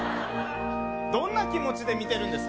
どんな気持ちで見てるんですか？